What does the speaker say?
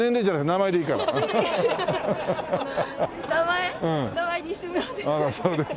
名前西室です。